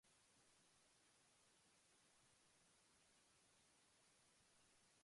This stage includes detailed planning of the project activities, resource allocation, and scheduling.